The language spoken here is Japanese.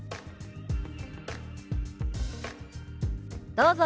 どうぞ。